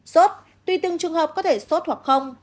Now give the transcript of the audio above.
sốt tùy từng trường hợp có thể sốt hoặc không